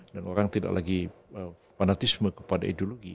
dan orang tidak lagi fanatisme kepada ideologi